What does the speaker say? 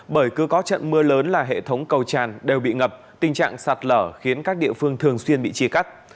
bởi cứ có trận mưa lớn là hệ thống cầu tràn đều bị ngập tình trạng sạt lở khiến các địa phương thường xuyên bị chia cắt